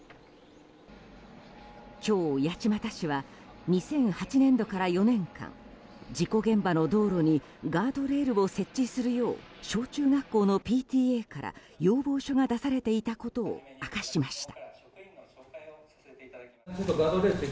今日、八街市は２００８年度から４年間事故現場の道路にガードレールを設置するよう小中学校のＰＴＡから要望書が出されていたことを明かしました。